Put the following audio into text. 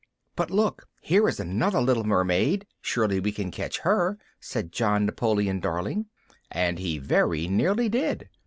"But look! here is another little mermaid! Surely we can catch her!" said John Napoleon Darling, and he very nearly did.